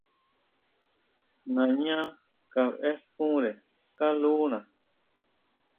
Nañá kabʼéxkunre kalúna.